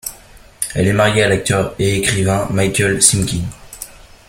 Elle est mariée à l'acteur et écrivain Michael Simkins.